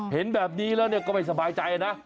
เห็นแบบนี้แล้วก็ไม่สบายใจนะ